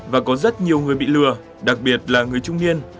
và có rất nhiều người bị lừa đặc biệt là người trung niên